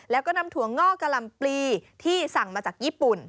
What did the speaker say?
แล้วก็นำถั่วงอกกะลำปลีที่สั่งมาจากญี่ปุ่น